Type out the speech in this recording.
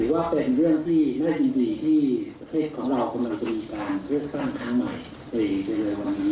การแบ่งพักพวกและก็ตัดตรงความประโยชน์นี้กำลังจะหมดไป